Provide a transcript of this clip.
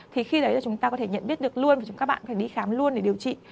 thì khi đấy là chúng ta có thể nhận biết được luôn và các bạn có thể đi khám luôn để điều trị